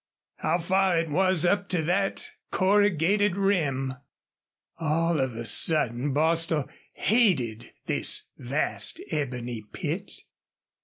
How far it was up to that corrugated rim! All of a sudden Bostil hated this vast ebony pit.